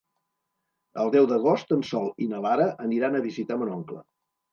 El deu d'agost en Sol i na Lara aniran a visitar mon oncle.